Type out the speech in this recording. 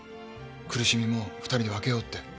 苦しみも２人で分けようって。